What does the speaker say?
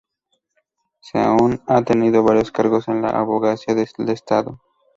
Seoane ha tenido varios cargos en la Abogacía del Estado.